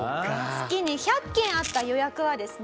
月に１００件あった予約はですね